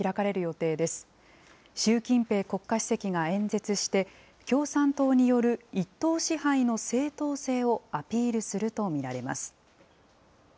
習近平国家主席が演説して、共産党による一党支配の正統性をアピールすると見られます。